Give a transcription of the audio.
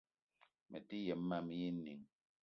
Mete yem mam éè inìng